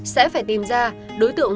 sẽ phải tìm ra đối tượng